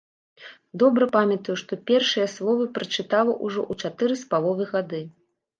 Добра памятаю, што першыя словы прачытала ўжо ў чатыры з паловай гады.